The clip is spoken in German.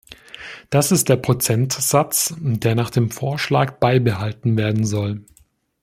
Das ist der Prozentsatz, der nach dem Vorschlag beibehalten werden soll.